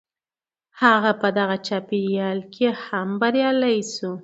هغه په دغه چاپېريال کې هم بريالی شو.